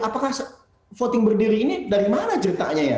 apakah voting berdiri ini dari mana ceritanya ya